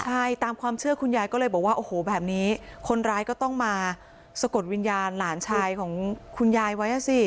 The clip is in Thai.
ใช่ตามความเชื่อคุณยายก็เลยบอกว่าโอ้โหแบบนี้คนร้ายก็ต้องมาสะกดวิญญาณหลานชายของคุณยายไว้อ่ะสิ